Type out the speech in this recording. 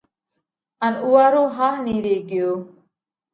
ان اُوئا رو ۿاه نِيهري ڳيو۔